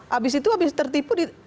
habis itu habis tertipu